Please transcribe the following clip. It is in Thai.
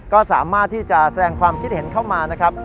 ก็สามารถที่จะแสดงความคิดเห็นเข้ามานะครับ